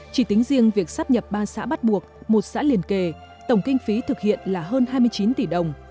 chỉ tính riêng việc sắp nhập ba xã bắt buộc một xã liền kề tổng kinh phí thực hiện là hơn hai mươi chín tỷ đồng